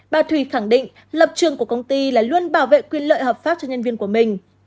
bà thùy khẳng định lập trường của công ty là luôn bảo vệ quyền lợi hợp pháp cho nhân viên của mình